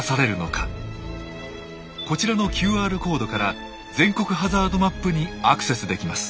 こちらのＱＲコードから全国ハザードマップにアクセスできます。